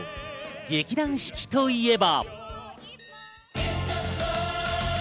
劇団四季といえば。